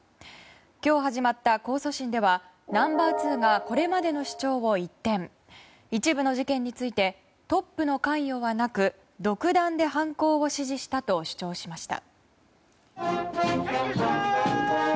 今日始まった控訴審ではナンバー２がこれまでの主張を一転一部の事件についてトップの関与はなく独断で犯行を指示したと主張しました。